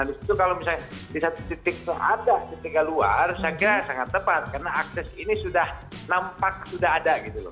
nah itu kalau misalnya di satu titik keadaan di tiga luar saya kira sangat tepat karena aksen ini sudah nampak sudah ada